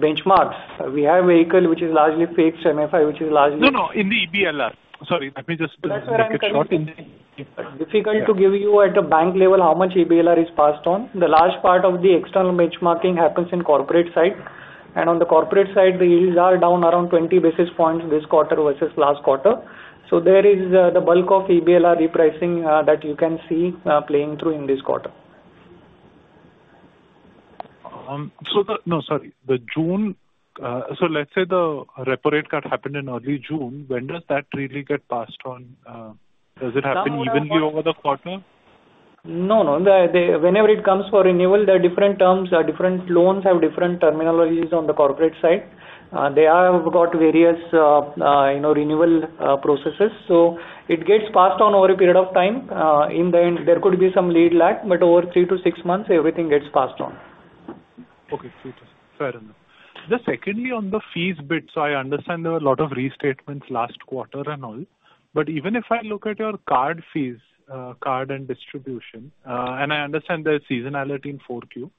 benchmarks. We have vehicle, which is largely fixed, microfinance, which is largely. No, no, in the EBLR. Sorry, let me just. Difficult to give you at a bank level, how much EBLR is passed on. The large part of the external benchmarking happens in corporate side, and on the corporate side the yields are down around 20 basis points this quarter versus last quarter. There is the bulk of EBLR repricing that you can see playing through in this quarter. No, sorry, the June, let's say the repo rate cut happened in early June. When does that really get passed on? Does it happen evenly over the quarter? No, no. Whenever it comes for renewal, the different terms are different, loans have different terminology. On the corporate side, they have got various, you know, renewal processes. It gets passed on over a period of time. In the end, there could be some lead lag, but over three-six months, everything gets passed on. Okay, fair enough. Secondly, on the fees bit, I understand there were a lot of restatements last quarter and all, but even if I look at your card fees, card and distribution, and I understand the seasonality in 4Q,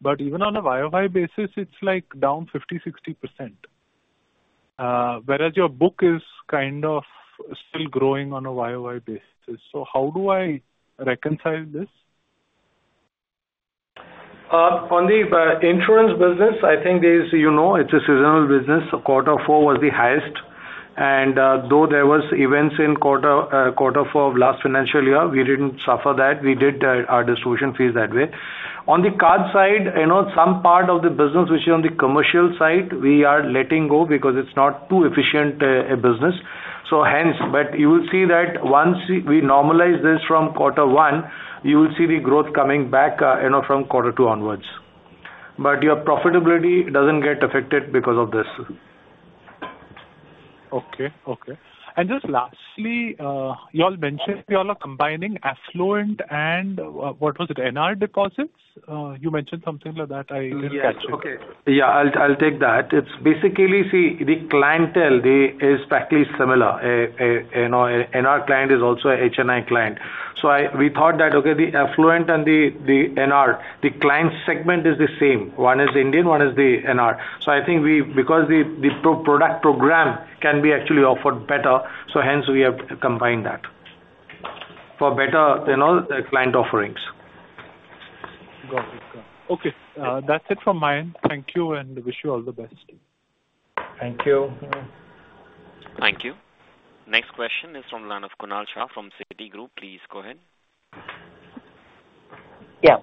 but even on a YoY basis it's like down 50%-60% whereas your book is kind of still growing on a YoY basis. How do I reconcile this? On the insurance business, I think it's a seasonal business. Quarter four was the highest, and though there were events in quarter four last financial year, we didn't suffer that. We did our distribution fees that way. On the card side, some part of. The business, which is on the commercial side we are letting go because it's not too efficient a business. Hence, you will see that once we normalize this from quarter one, you will see the growth coming back from quarter two onwards, but your profitability doesn't get affected because of this. Okay. Okay. You all mentioned you all are combining affluent and, what was it, NR deposits, you mentioned something like that. I. Okay, I'll take that. Basically, see the clientele is practically similar, you know, NR client is also a HNI client. We thought that the affluent and the NR, the client segment, is the same. One is Indian, one is the NR. I think we, because the product program can be actually offered better, have combined that for better client offerings. Okay, that's it from my end. Thank you, and wish you all the best. Thank you. Thank you. Next question is from Kunal Shah from Citigroup. Please go ahead. Yeah,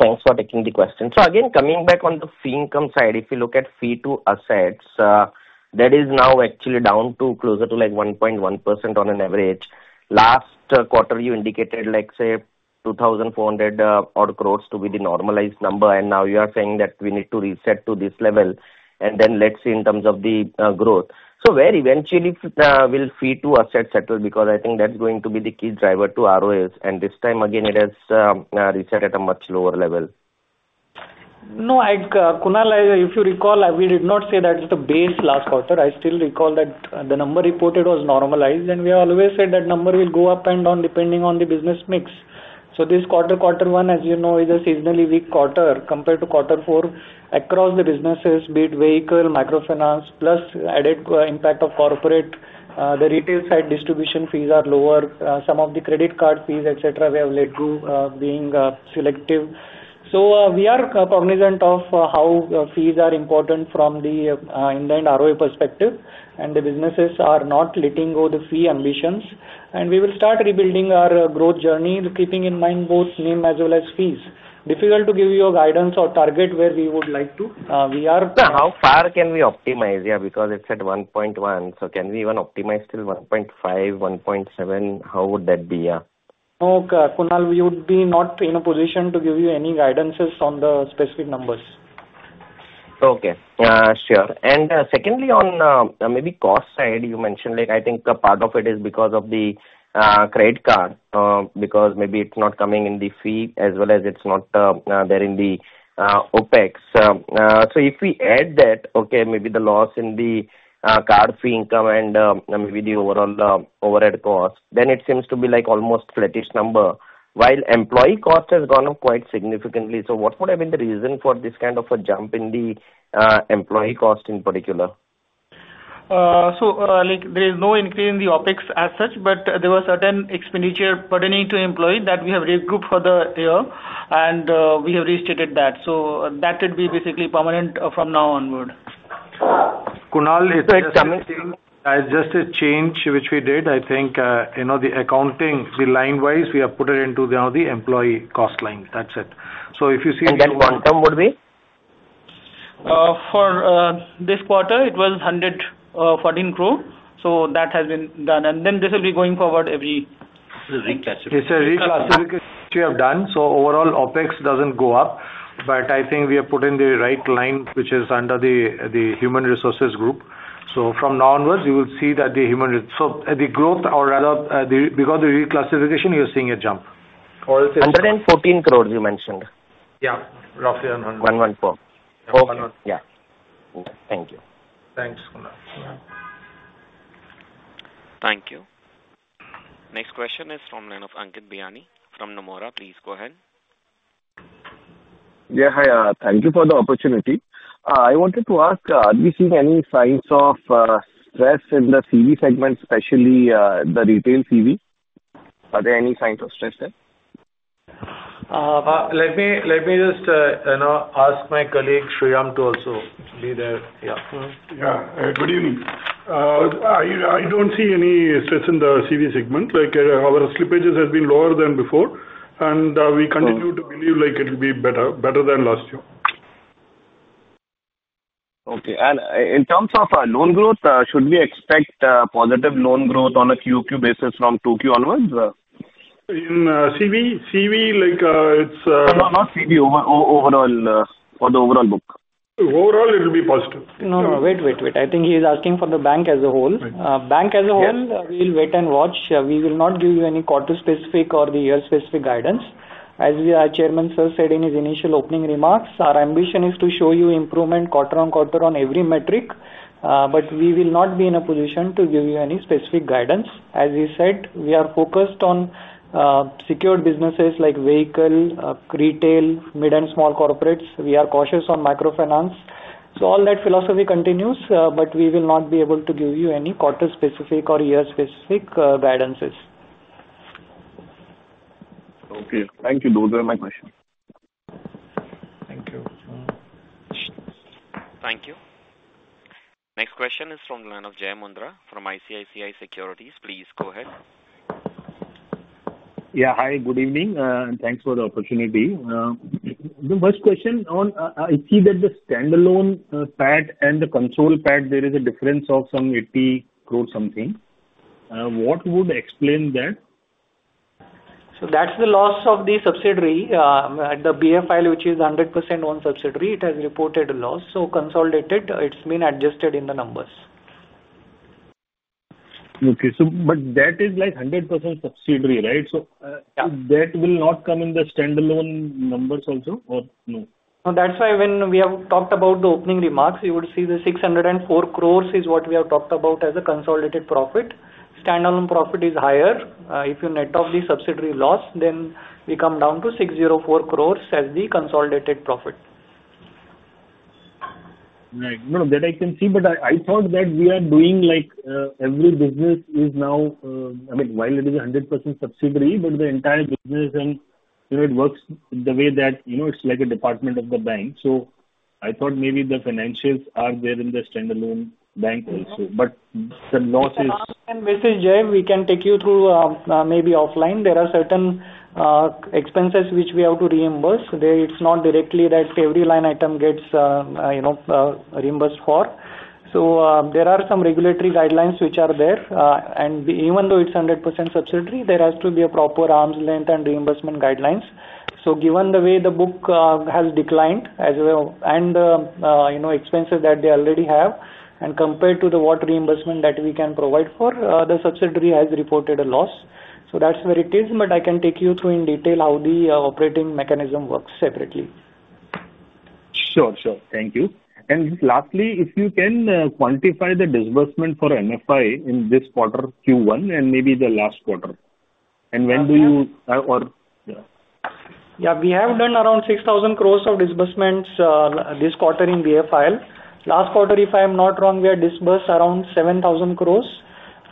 thanks for taking the question. Again, coming back on the fee income side, if you look at fee to assets, that is now actually down to closer to 1.1% on an average. Last quarter you indicated like, say, 2,400 crore to be the normalized number. Now you are saying that we need to reset to this level and then let's see in terms of the growth. Very eventually, will fee to asset settle? Because I think that's going to be the key driver to ROAs, and this time again it has reset at a much lower level. No Kunal, if you recall we did not say that is the base last quarter. I still recall that the number reported was normalized, and we always said that number will go up and down depending on the business mix. This quarter, quarter one as you know is a seasonally weak quarter compared to quarter four across the businesses, be it vehicle, microfinance, plus added impact of corporate, the retail side distribution fees are lower, some of the credit card fees, etc. We have led to being selective. We are cognizant of how fees are important from the in the end ROE perspective, and the businesses are not letting go the fee ambitions, and we will start rebuilding our growth journey keeping in mind both name as well as fees. Difficult to give you a guidance or target where we would like to. How far can we optimize? Yeah, because it's at 1.1. Can we even optimize till 1.5-1.7? How would that be? Okay, we would not be in a position to give you any guidance on the specific numbers. Okay, sure. Secondly, on maybe the cost side, you mentioned like I think a part of it is because of the credit card. Maybe it's not coming in the fee as well as it's not there in the OpEx. If we add that, maybe the loss in the card fee income and maybe the overall overhead cost, then it seems to be like almost a flattish number, while employee cost has gone up quite significantly. What would have been the reason for this kind of a jump in the employee cost in particular? There is no increase in the OpEx as such. There were certain expenditure pertaining to employee that we have regrouped for the year, and we have restated that. That would be basically permanent from now onward. Kunal, it's just a change, which we did. I think you know the accounting, the line-wise, we have put it into now the employee cost line. That's it. If you see, and then quantum. would be for this quarter, it was 114 crore. That has been done, and this will be going forward every quarter. A reclassification so overall OpEx doesn't go up. I think we have put in the right line, which is under the human resources group. From now onwards, you will see that the human, so the growth or rather because the reclassification, you're seeing a jump, 114 crore you mentioned. Yeah. Roughly one, one four. Yeah. Thank you. Thanks Kunal. Thank you. Next question is from the line of Ankit Bihani from Nomura. Please go ahead. Yeah. Hi. Thank you for the opportunity. I wanted to ask, are we seeing. Any signs of stress in the CV segment, especially the retail CV? Are there any signs of stress there? Let me just ask my colleague Sriram to also be there. Good evening. I don't see any stress in the CV segment. Like our slippages have been lower than before and we continue to believe like. It will be better, better than last year. Okay. In terms of loan growth, should. We expect positive loan growth on a. QoQ basis from 2Q onwards in CV? CV like it's not CB overall for the overall book. Overall, it will be positive. I think he is asking for the bank as a whole. We will wait and watch. We will not give you any quarter-specific or year-specific guidance. As our Chairman Sir said in his initial opening remarks, our ambition is to show you improvement quarter-on-quarter on every metric. We will not be in a position to give you any specific guidance. As he said, we are focused on secured businesses like vehicle retail, mid and small corporates. We are cautious on microfinance. All that philosophy continues. We will not be able to give you any quarter-specific or year-specific guidances. Okay, thank you. Those are my questions. Thank you. Thank you. Next question is from the line of Jai Mundhra from ICICI Securities. Please go ahead. Yeah. Hi, good evening and thanks for the opportunity. The first question on I see that. The standalone PAT and the console PAT, there is a difference of some 80 crore something. What would explain that? That's the loss of the subsidiary. The BFIL, which is a 100% owned subsidiary, has reported a loss, so consolidated it's been adjusted in the numbers. Okay, that is like 100% subsidiary, right? That will not come in the. Standalone numbers also. No, that's why when we have talked about the opening remarks, you would see the 604 crore is what we have talked about as a consolidated profit. Standalone profit is higher. If you net off the subsidiary loss, then we come down to 604 crore as the consolidated profit. That I. I thought that we can see. Every business is now. I mean while it is 100% subsidiary, the entire business, and you know it works the way that you know it's like a department of the bank. I thought maybe the financials are there in the standalone bank also. The losses And this is J, we can take you through maybe offline. There are certain expenses which we have to reimburse there. It's not directly that every line item gets reimbursed for, so there are some regulatory guidelines which are there. Even though it's 100% subsidiary, there has to be a proper arm's length and reimbursement guidelines. Given the way the book has declined as well and expenses that they already have, and compared to the what reimbursement that we can provide for, the subsidiary has reported a loss. That's where it is. I can take you through in detail how the operating mechanism works separately. Sure. Thank you. If you can quantify the. Disbursement for MFI in this quarter Q1 and maybe the last quarter and when do you orY Yeah we have done. Around 6,000 crore of disbursements this quarter in BFIL. Last quarter, if I am not wrong, we disbursed around 7,000 crore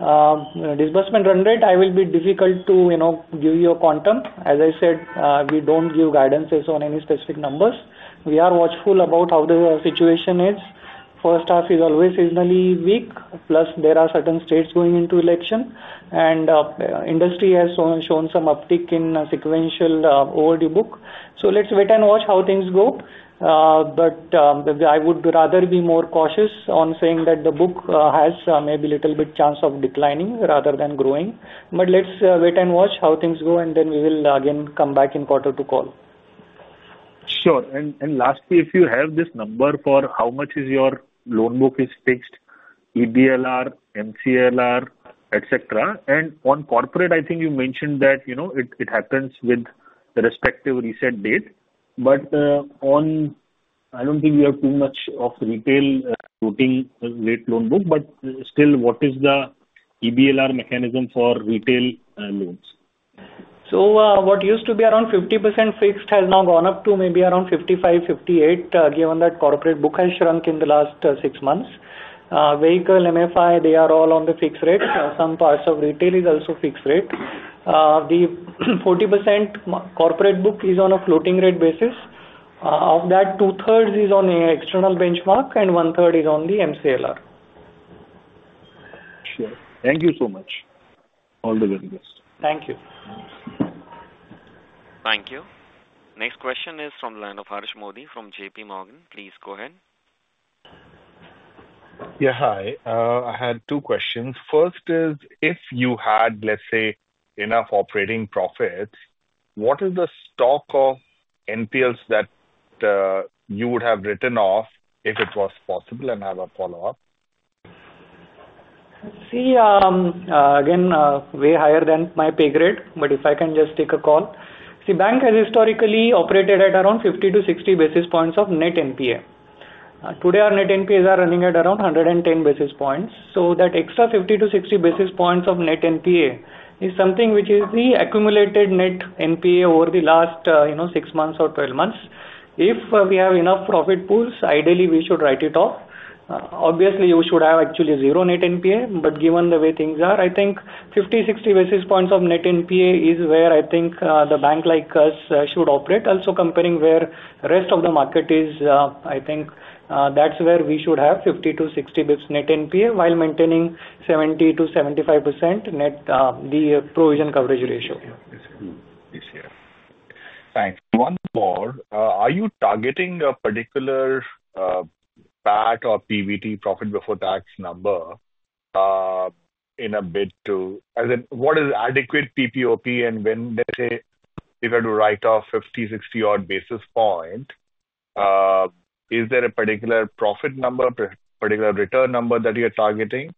disbursement run rate. It will be difficult to give you a quantum. As I said, we don't give guidances on any specific numbers. We are watchful about how the situation is. First half is always seasonally weak, plus there are certain states going into election, and industry has shown some uptick in sequential overdue book. Let's wait and watch how things go. I would rather be more cautious on saying that the book has maybe little bit chance of declining rather than growing. Let's wait and watch how things go, and then we will again come back in quarter two call. Sure. Lastly, if you have this number for how much of your loan book is fixed, EBLR, MCLR, etc., and on corporate, I think you mentioned that it happens with the respective reset date. I don't think we have too much of retail routing late loan book, but still, what is the EBLR mechanism for retail loans? What used to be around 50% fixed has now gone up to maybe around 55-58% given that the corporate book has shrunk in the last six months. Vehicle, microfinance loans, they are all on the fixed rate. Some parts of retail are also fixed rate. The 40% corporate book is on a floating rate basis. Of that, 2/3 is on external benchmark and 1/3 is on the MCLR. Thank you so much. All the very best. Thank you. Thank you. Next question is from the line of Harsh Modi from JPMorgan. Please go ahead. Yeah, hi. I had two questions. First is if you had, let's say, enough operating profits, what is the stock of NPLs that you would have written off if it was possible, and have a follow-up. Again, way higher than my pay grade, but if I can just take a call. See. Bank has historically operated at around 50-60 bps of net NPA. Today our net NPAs are running at around 110 bps. That extra 50-60 bps of net NPA is something which is the accumulated net NPA over the last six months-12 months. If we have enough profit pools, ideally we should write it off. Obviously you should have actually 0 net NPA. Given the way things are, I think 50-60 bps of net NPA is where I think a bank like us should operate. Also, comparing where rest of the market is, I think that's where we should have 50-60 bps net NPA while maintaining 70-75% net provision coverage ratio. Thanks. One more. Are you targeting a particular PAT or PBT profit before tax number? In a. To what is adequate PPOP, and when they say if I do write off 50-60 odd basis points, is there a particular profit number or particular return number that you're targeting?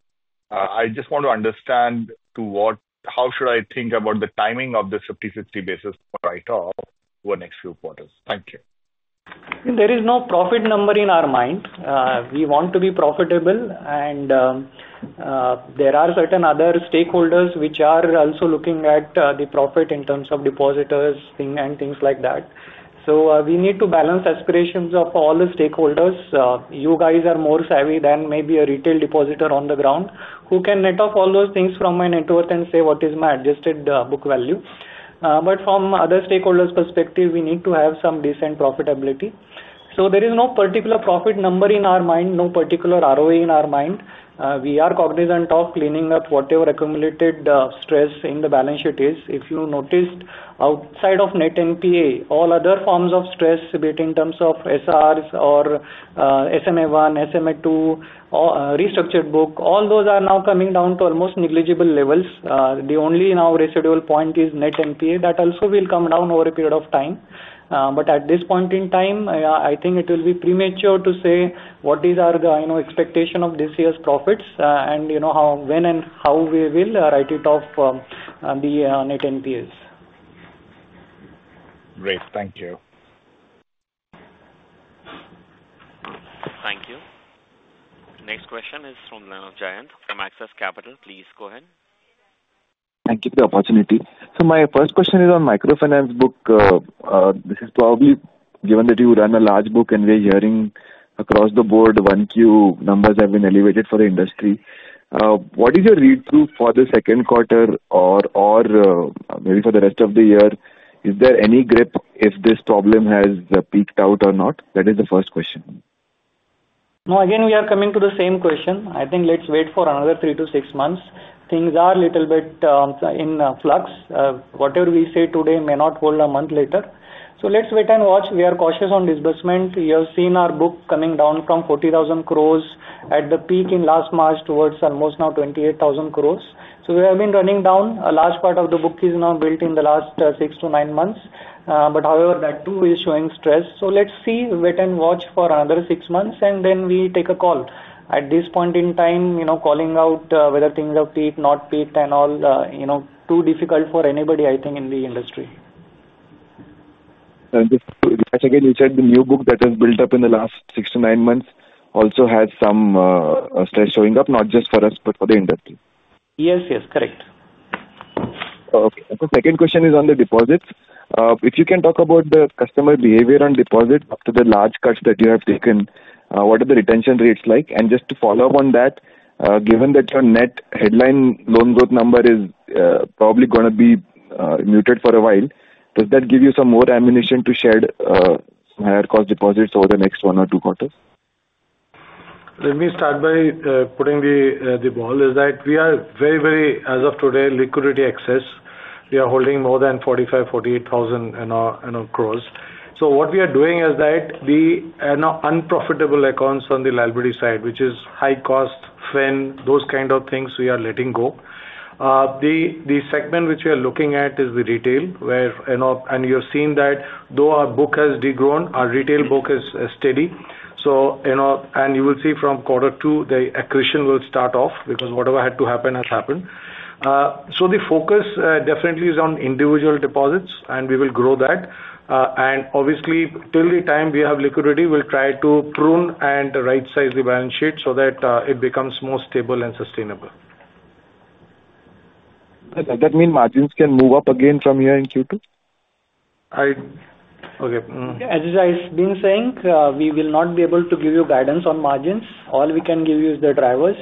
I just want to understand how should I think about the timing of the 50/50 basis point write-off for the next few quarters? Thank you. There is no profit number in our mind. We want to be profitable, and there are certain other stakeholders, which are also looking at the profit in terms of depositors and things like that. We need to balance aspirations of all the stakeholders. You guys are more savvy than maybe a retail depositor on the ground who can net off all those things from my network and say what is my adjusted book value? From other stakeholders' perspective, we need to have some decent profitability. There is no particular profit number in our mind, no particular ROA in our mind. We are cognizant of cleaning up whatever accumulated stress in the balance sheet is. If you noticed, outside of net NPA, all other forms of stress, be it in terms of SRS or SMA1, SMA2, restructured book, all those are now coming down to almost negligible levels. The only now residual point is net NPA. That also will come down over a period of time. At this point in time, I think it will be premature to say what is our expectation of this year's profits and how, when, and how we will write it off the net NPLs. Great, thank you. Thank you. Next question is from Jayanand from Axis Capital. Please go ahead. Thank you for the opportunity. My first question is on microfinance book. This is probably given that you run a large book, and we're hearing across the board 1Q numbers have been elevated for the industry. What is your read through for the second quarter or maybe for the rest of the year? Is there any grip if this problem has peaked out or not? That is the first question. No, again we are coming to the same question. I think let's wait for another three-six months. Things are a little bit in flux. Whatever we say today may not hold a month later. Let's wait and watch. We are cautious on disbursement. You have seen our book coming down from 40,000 crore at the peak in last March towards almost now 28,000 crore. We have been running down. A large part of the book is now built in the last six-nine months, however, that too is showing stress. Let us see, wait and watch for another six months and then we take a call. At this point in time, calling out whether things are peaked, not peaked and all is too difficult for anybody, I think, in the industry. Again, you said the new book that has built up in the last six-nine months also has some stress showing up, not just for us but for the industry. Yes, yes, correct. Second question is on the deposits. If you can talk about the customer behavior on deposit after the large cuts that you have taken, what are the retention rates like? Just to follow up on that, given that your net headline loan growth number is probably going to be muted for a while, does that give you some more ammunition to shed higher cost deposits over the next one-two quarters? Let me start by putting the ball is that we are very, very, as of today, liquidity excess. We are holding more than 45,000-48,000. What we are doing is that the unprofitable accounts on the liability side, which is high-cost fin, those kind of things, we are letting go. The segment which we are looking at is the retail, where you have seen that though our book has degrown, our retail book is steady. You know, you will see from quarter two the accretion will start off because whatever had to happen has happened. The focus definitely is on individual deposits, and we will grow that. Obviously, till the time we have liquidity, we'll try to prune and right-size the balance sheet so that it becomes more stable and sustainable. Does that mean margins can move up? Again, from here in Q2? As I have been saying, we will not be able to give you guidance on margins. All we can give you is the drivers.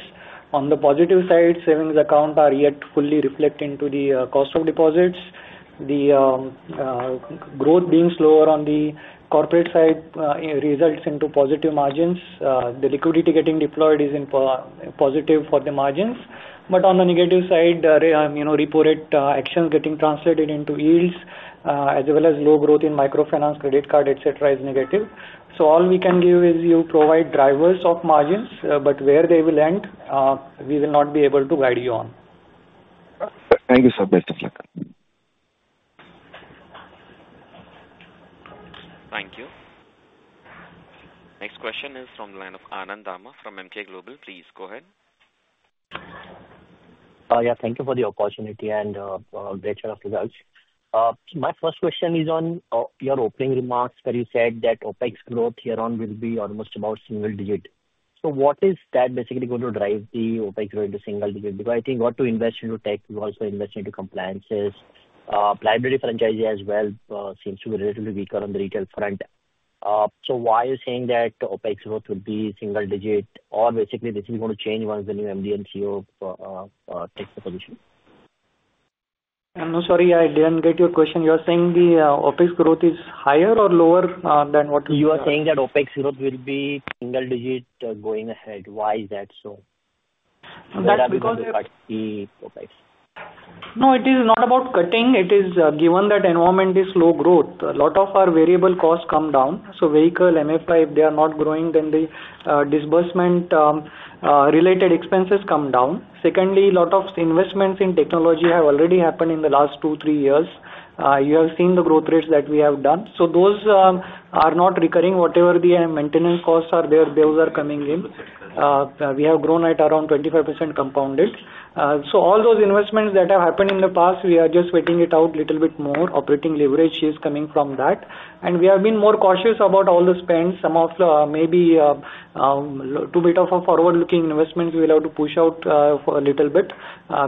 On the positive side, savings accounts are yet to fully reflect into the cost of deposits. The growth being slower on the corporate side results in positive margins. The liquidity getting deployed is positive for the margins. On the negative side, reported actions are getting translated into yields as well as low growth in microfinance, credit cards, etc. Etc. Is negative. All we can give is you provide drivers of margins, but where they will end we will not be able to guide you on. Thank you, sir. Best of luck. Thank you. Next question is from the line of Anand Dama from Emkay Global. Please go ahead. Oh yeah. Thank you for the opportunity and greater of results. My first question is on your opening remarks where you said that OpEx growth here on will be almost about single-digit. What is that basically going to drive the OpEx growth into single digit? I think what to invest into tech we also invest into compliances. Liability franchise as well seems to be relatively weaker on the retail front. Why are you saying that OpEx growth would be single-digit? Basically this is going to change once the new MD and CEO take the position. I'm sorry, I didn't get your question. You are saying the OpEx growth is higher or lower than what you are. Saying that OpEx growth will be single-digit going ahead. Why is that so? No, it is not about cutting. It is given that environment is slow growth. A lot of our variable costs come down. Vehicle and MFI, if they are not growing, then the disbursement-related expenses come down. Secondly, a lot of investments in technology have already happened in the last two-three years. You have seen the growth rates that we have done. Those are not recurring. Whatever the maintenance costs are, bills are coming in. We have grown at around 25% compounded. All those investments that have happened in the past, we are just waiting it out a little bit more. Operating leverage is coming from that. We have been more cautious about all the spends. Some of maybe a bit of forward-looking investments we will have to push out for a little bit.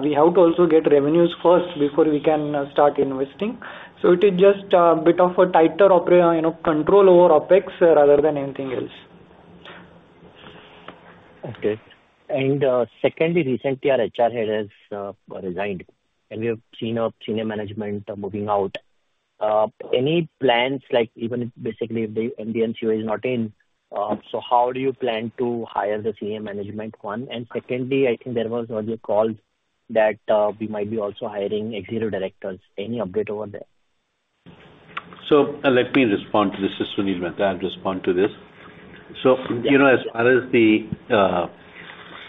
We have to also get revenues first before we can start investing. It is just a bit of a tighter control over OpEx rather than anything else? Okay. Recently our HR Head has resigned and we have seen senior management moving out. Any plans, like if the MDN Co is not in, how do you plan to hire the senior management? Secondly, I think there were earlier calls that we might be also hiring Xero directors. Any update over there? Let me respond to this. This is Sunil Mehta. I'll respond to this. As far as the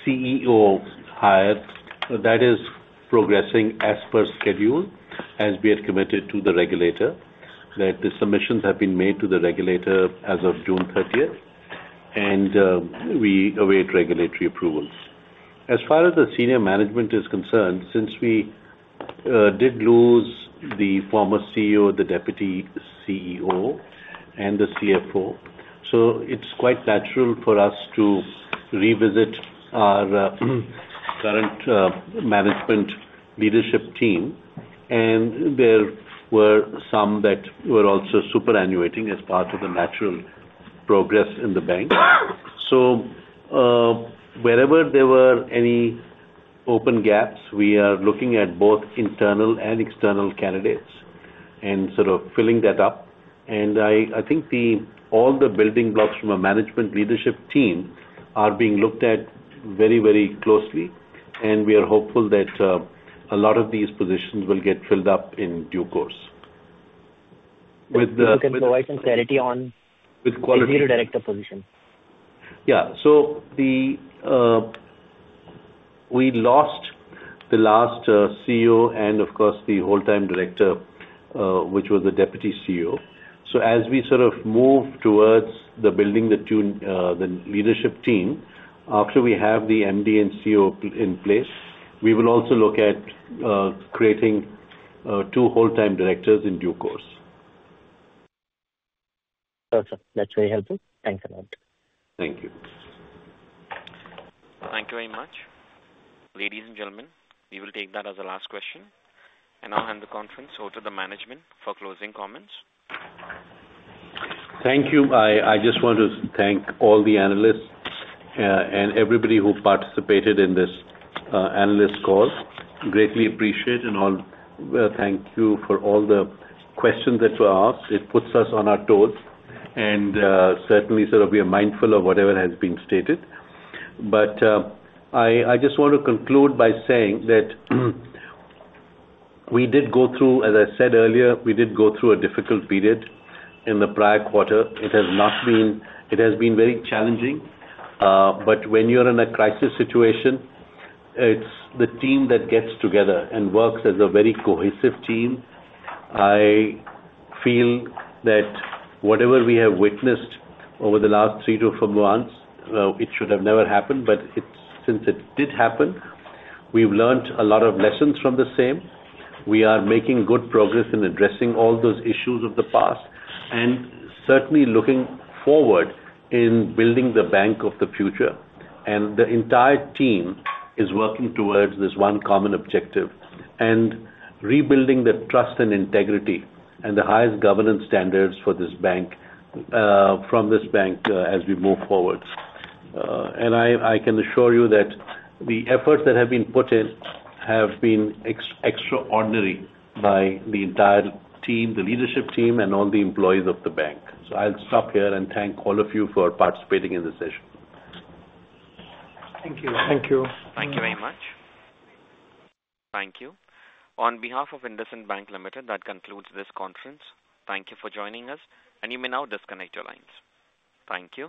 CEO hire, that is progressing as per schedule as we had committed to the regulator. The submissions have been made to the regulator as of June 30th, and we await regulatory approvals. As far as the senior management is concerned, since we did lose the former CEO, the Deputy CEO, and the CFO, it's quite natural for us to revisit our current management leadership team. There were some that were also superannuating as part of the natural progress in the bank. Wherever there were any open gaps, we are looking at both internal and external candidates and sort of filling that up. I think all the building blocks from a management leadership team are being looked at very, very closely, and we are hopeful that a lot of these positions will get filled up in due course. If you can provide some clarity on the director position. Yeah, we lost the last CEO and of course the Whole Time Director, which was the Deputy CEO. As we sort of move towards building the leadership team after we have the MD and CEO in place, we will also look at creating two Whole Time Directors in due course. That's very helpful. Thanks a lot. Thank you. Thank you very much, ladies and gentlemen. We will take that as the last question, and I'll hand the conference over to the management for closing comments. Thank you. I just want to thank all the analysts and everybody who participated in this analyst call. Greatly appreciate and thank you for all the questions that were asked. It puts us on our toes and certainly, we are mindful of whatever has been stated. I just want to conclude by saying that we did go through, as I said earlier, a difficult period in the prior quarter. It has been very challenging. When you are in a crisis situation, it's the team that gets together and works as a very close, cohesive team. I feel that whatever we have witnessed over the last three to four months it should have never happened. Since it did happen, we've learned a lot of lessons from the same. We are making good progress in addressing all those issues of the past and certainly looking forward in building the bank of the future. The entire team is working towards this one common objective and rebuilding the trust and integrity and the highest governance standards for this bank as we move forward. I can assure you that the efforts that have been put in have been extraordinary by the entire team, the leadership team, and all the employees of the bank. I'll stop here and thank all of you for participating in this session. Thank you. Thank you. Thank you very much. Thank you. On behalf of IndusInd Bank Limited that concludes this conference. Thank you for joining us. You may now disconnect your lines. Thank you.